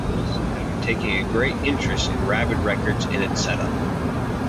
Wilson had been taking a great interest in Rabid Records and its set up.